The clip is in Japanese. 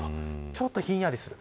ちょっとひんやりする。